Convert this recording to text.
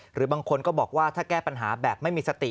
หรือบางคนก็บอกว่าถ้าแก้ปัญหาแบบไม่มีสติ